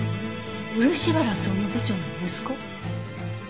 漆原総務部長の息子？